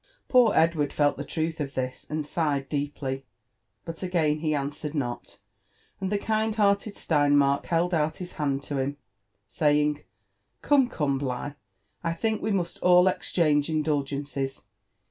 S29 Poor Edward felllMe Irulh of this and sighed deeply, but again he answered not: and the kind hearted Steinmark held out his hand to htm, saying Come, come, Biigh, I think we must all exchange indul gences.